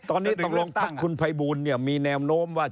ตอนนี้ตกลงภักดิ์คุณภัยบูลมีแนวโน้มว่า